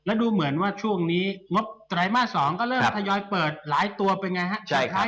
แล้วดูเหมือนว่าช่วงนี้งบไตรมาส๒ก็เริ่มทยอยเปิดหลายตัวเป็นไงฮะ